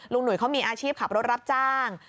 หนุ่ยเขามีอาชีพขับรถรับจ้าง